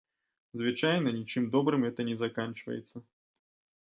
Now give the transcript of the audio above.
Звычайна нічым добрым гэта не заканчваецца.